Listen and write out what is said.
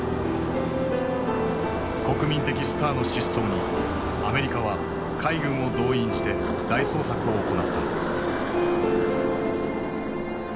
国民的スターの失踪にアメリカは海軍を動員して大捜索を行った。